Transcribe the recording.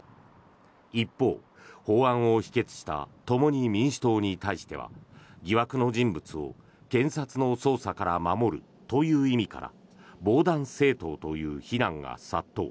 一方、法案を否決した共に民主党に対しては疑惑の人物を検察の捜査から守るという意味から防弾政党という非難が殺到。